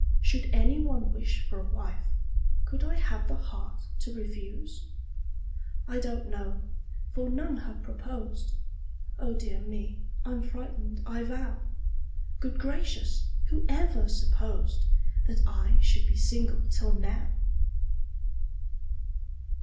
Should any one wish for a wife, Could I have the heart to refuse? I don't know for none have proposed Oh, dear me! I'm frightened, I vow! Good gracious! who ever supposed That I should be single till now?